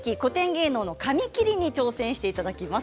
芸能の紙切りに挑戦していただきます。